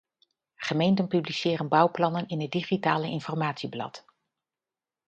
Gemeenten publiceren bouwplannen in het digitale informatieblad.